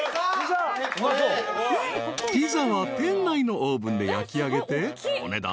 ［ピザは店内のオーブンで焼きあげてお値段］